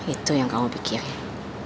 itu yang kamu pikirin